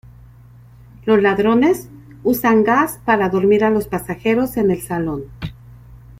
Los ladrones usan gas para dormir a los pasajeros en el salón.